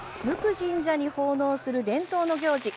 神社に奉納する伝統の行事